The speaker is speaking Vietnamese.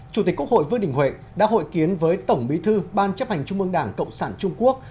chủ tịch quốc hội vương đình huệ đã hội kiến với tổng bí thư ban chấp hành trung mương đảng cộng sản trung quốc